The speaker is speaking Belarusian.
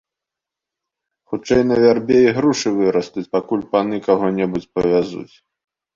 Хутчэй на вярбе ігрушы вырастуць, пакуль паны каго-небудзь павязуць.